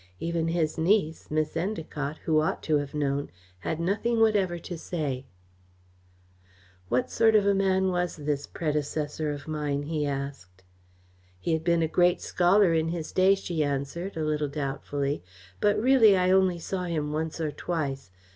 Even his niece, Miss Endacott, who ought to have known, had nothing whatever to say." "What sort of a man was this predecessor of mine?" he asked. "He had been a great scholar in his day," she answered, a little doubtfully, "but really I only saw him once or twice.